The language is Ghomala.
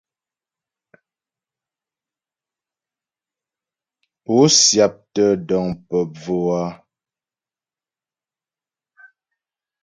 Pó syáptə́ dəŋ pə bvò a ?